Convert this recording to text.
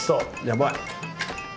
やばい！